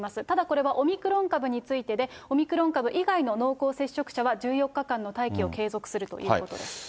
ただ、これはオミクロン株についてで、オミクロン株以外の濃厚接触者は１４日間の待機を継続するということです。